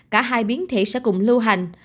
cả hai biến thể sẽ cùng lưu hành